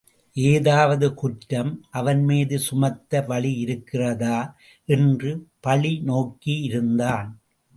ஏதாவது குற்றம் அவன் மீது சுமத்த வழி இருக்கிறதா என்று பழி நோக்கி இருந்தான்.